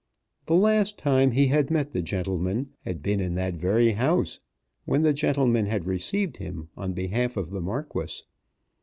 The last time he had met the gentleman had been in that very house when the gentleman had received him on behalf of the Marquis.